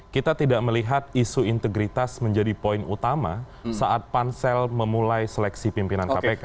kita tidak melihat isu integritas menjadi poin utama saat pansel memulai seleksi pimpinan kpk